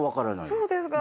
そうですか？